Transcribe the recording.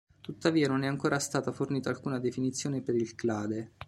Tuttavia, non è ancora stata fornita alcuna definizione per il clade.